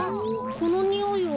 このにおいは。